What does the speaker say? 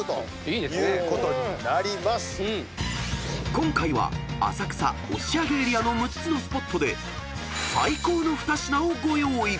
［今回は浅草押上エリアの６つのスポットで最高の二品をご用意］